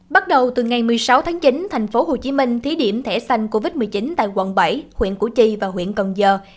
bắt đầu từ ngày một mươi sáu tháng chín tp hcm thí điểm thẻ xanh covid một mươi chín tại quận bảy huyện củ chi và huyện cần giờ